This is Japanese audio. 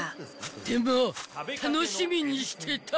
でも楽しみにしてた。